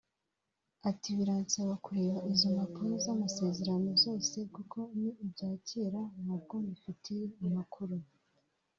Ati “Biransaba kureba izo mpapuro z’amasezerano zose kuko ni ibya kera ntabwo mbifitiye amakuru